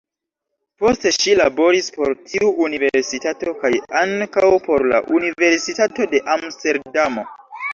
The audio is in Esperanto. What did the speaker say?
Poste ŝi laboris por tiu universitato kaj ankaŭ por la Universitato de Amsterdamo.